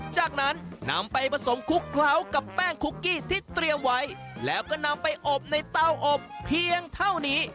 จากนั้นนำไปผสมคลุกเคล้ากับแป้งคุกกี้ที่เตรียมไว้แล้วก็นำไปอบในเต้าอบเพียงเท่านี้